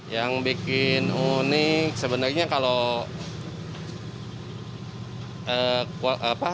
yang bikin unik sebenarnya kalau